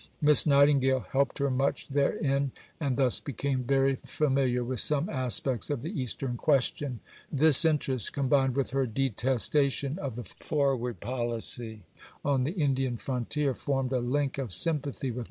Miss Nightingale helped her much therein, and thus became very familiar with some aspects of the Eastern Question. This interest, combined with her detestation of the forward policy on the Indian frontier, formed a link of sympathy with Mr. Gladstone.